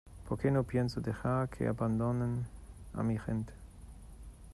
porque no pienso dejar que abandonen a mi gente.